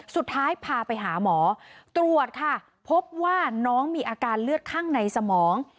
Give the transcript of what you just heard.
สุดท้ายพาไปหาหมอตรวจค่ะพบว่าน้องมีอาการเลือดข้างในสมอง